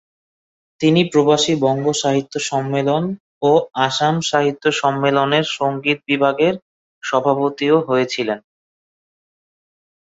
তিনি প্রবাসী বঙ্গ সাহিত্য সম্মেলন ও আসাম সাহিত্য সম্মেলনের সংগীত বিভাগের সভাপতিও হয়েছিলেন।